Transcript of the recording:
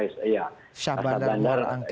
syah bandar muara angke